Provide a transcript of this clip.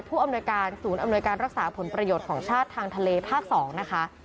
อำนวยการศูนย์อำนวยการรักษาผลประโยชน์ของชาติทางทะเลภาค๒นะคะ